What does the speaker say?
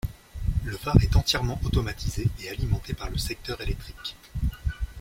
Le phare est entièrement automatisé et alimenté par le secteur électrique.